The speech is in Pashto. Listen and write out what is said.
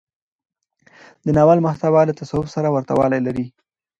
د ناول محتوا له تصوف سره ورته والی لري.